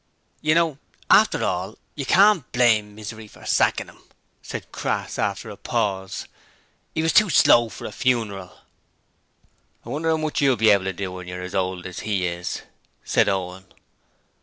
'You know, after all, you can't blame Misery for sackin' 'im,' said Crass after a pause. ''E was too slow for a funeral.' 'I wonder how much YOU'LL be able to do when you're as old as he is?' said Owen.